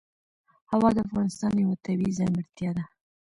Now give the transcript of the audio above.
هوا د افغانستان یوه طبیعي ځانګړتیا ده.